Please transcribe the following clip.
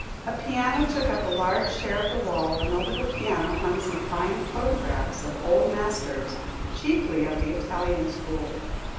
A piano took up a large share of one wall, and over the piano hung some fine photographs of Old Masters, chiefly of the Italian school.